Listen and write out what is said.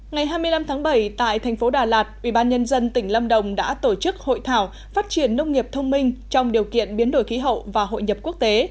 ngày hai mươi năm tháng bảy tại thành phố đà lạt ubnd tỉnh lâm đồng đã tổ chức hội thảo phát triển nông nghiệp thông minh trong điều kiện biến đổi khí hậu và hội nhập quốc tế